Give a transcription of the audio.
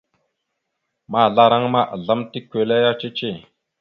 Mahəzlaraŋa ma, azlam tikweleya cici.